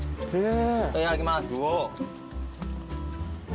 いただきます。